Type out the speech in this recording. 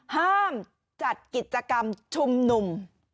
ห้ามจัดกิจกรรมชุมนุม